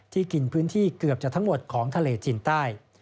กินพื้นที่เกือบจะทั้งหมดของทะเลจีนใต้